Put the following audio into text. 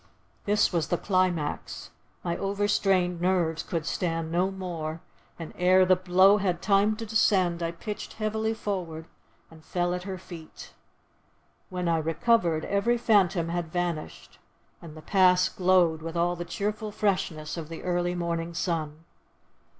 This was the climax, my overstrained nerves could stand no more, and ere the blow had time to descend, I pitched heavily forward and fell at her feet. When I recovered, every phantom had vanished, and the Pass glowed with all the cheerful freshness of the early morning sun.